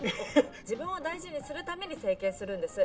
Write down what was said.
自分を大事にするために整形するんです。